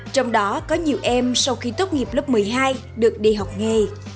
trong đó có nhiều em sau khi tốt nghiệp lớp một mươi hai được đi học nghề